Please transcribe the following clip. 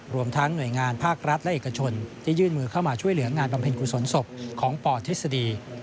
รวมทั้งหน่วยงานภาครัฐและเอกชนที่ยื่นมือเข้ามาช่วยเหลืองานบำเพ็ญกุศลศพของปทฤษฎี